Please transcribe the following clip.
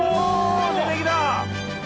出てきた！